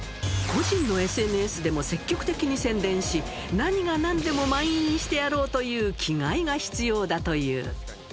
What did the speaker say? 個人のＳＮＳでも積極的に宣伝し、何がなんでも満員にしてやろうという気概が必要だという。